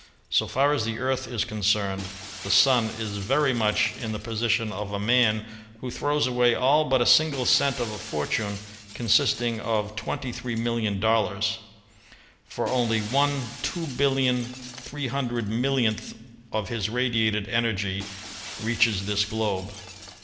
So far as the Earth is concerned, the Sun is very much in the position of a man who throws away all but a single cent of a fortune consisting of twenty three million dollars; for only V2800000000 °f his radiated energy reaches this globe.